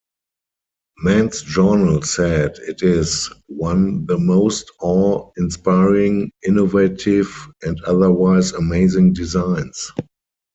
"Men's Journal" said it is, "One the most awe-inspiring, innovative, and otherwise amazing designs.